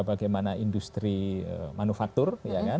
bagaimana industri manufaktur